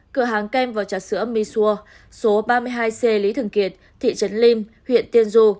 một mươi sáu cơ hàng kem và trà sữa miso số ba mươi hai c lý thường kiệt thị trấn lim huyện tiên du